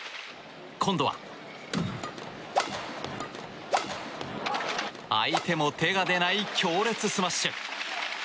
今度は、相手も手が出ない強烈スマッシュ。